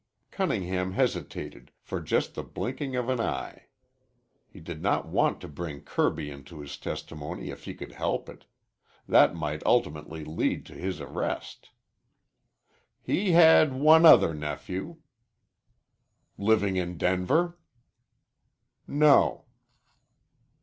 Cunningham hesitated, for just the blinking of an eye. He did not want to bring Kirby into his testimony if he could help it. That might ultimately lead to his arrest. "He had one other nephew." "Living in Denver?" "No."